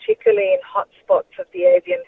terutama di tempat tempat panjang